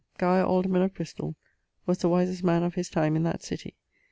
Guy, alderman of Bristoll, was the wisest man of his time in that city.